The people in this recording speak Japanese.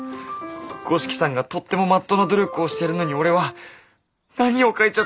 五色さんがとってもまっとうな努力をしているのに俺は何を描いちゃったんだ！